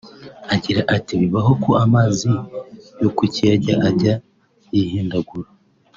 Agira ati «Bibaho ko amazi yo mu kiyaga ajya yihindagura